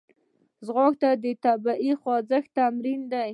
ځغاسته د طبیعي خوځښت تمرین دی